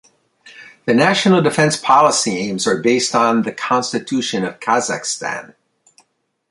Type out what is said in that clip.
The national defence policy aims are based on the Constitution of Kazakhstan.